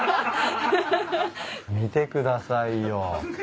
見てくださいよ。